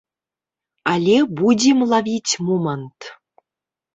Але будзем лавіць момант.